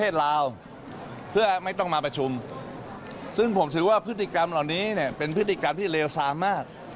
ซึ่งผมถือว่าพฤติกรรมเหล่านี้เนี่ยเป็นพฤติกรรมที่เลวซามาก